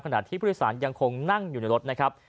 ขณะที่ผู้โดยสารยังคงนั่งอยู่ในรถนะครับ